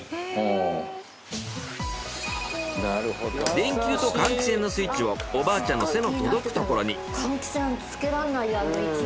電球と換気扇のスイッチをおばあちゃんの背の届くところに。